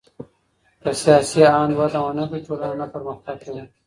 که سياسي آند وده ونکړي ټولنه نه پرمختګ کوي.